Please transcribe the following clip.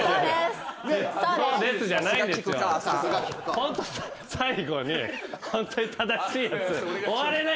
ホント最後にホントに正しい。